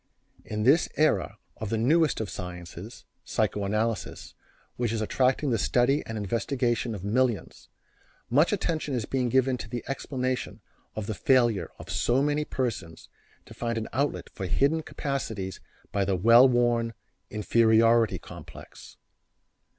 In this era of the newest of sciences, psychoanalysis, which is attracting the study and investigation of millions, much attention is being given to the explanation of the failure of so many persons to find an outlet for hidden capacities by the well worn "inferiority complex."